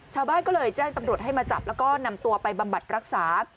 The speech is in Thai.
ชาวบ้านก็เลยแจ้งตำรวจให้มาจับแล้วก็นำตัวไปบำบัดรักษา